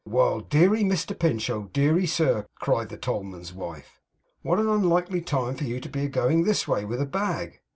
'Why, deary Mr Pinch! oh, deary sir!' cried the tollman's wife. 'What an unlikely time for you to be a going this way with a bag!